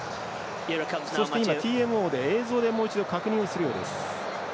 ＴＭＯで映像で、もう一度確認をするようです。